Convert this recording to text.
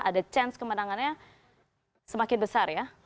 ada chance kemenangannya semakin besar ya